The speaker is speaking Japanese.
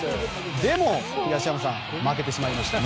でも、東山さん負けてしまいました。